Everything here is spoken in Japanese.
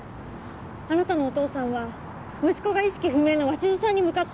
あなたのお父さんは息子が意識不明の鷲津さんに向かって。